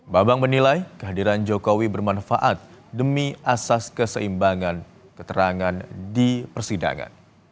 babang menilai kehadiran jokowi bermanfaat demi asas keseimbangan keterangan di persidangan